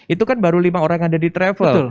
itu kan baru lima orang yang ada di travel tuh